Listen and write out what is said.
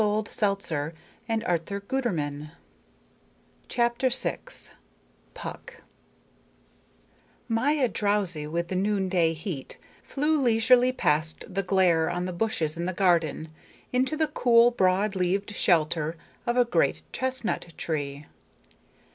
CHAPTER VI PUCK Maya, drowsy with the noonday heat, flew leisurely past the glare on the bushes in the garden, into the cool, broad leaved shelter of a great chestnut tree.